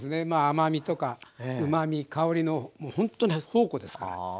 まあ甘みとかうまみ香りのほんとに宝庫ですから。